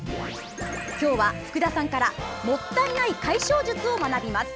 今日は福田さんからもったいない解消術を学びます。